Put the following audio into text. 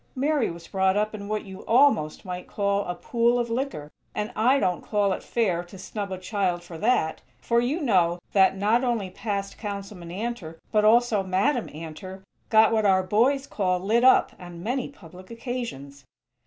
_ Mary was brought up in what you almost might call a pool of liquor, and I don't call it fair to snub a child for that; for you know that, not only 'Past' Councilman Antor, but also Madam Antor, got what our boys call 'lit up' on many public occasions.